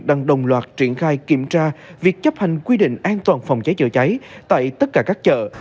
đang đồng loạt triển khai kiểm tra việc chấp hành quy định an toàn phòng cháy chữa cháy tại tất cả các chợ